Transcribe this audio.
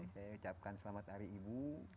saya ucapkan selamat hari ibu